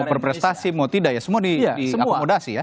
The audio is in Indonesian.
mau berprestasi mau tidak ya semua diakomodasi ya